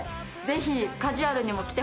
ぜひ。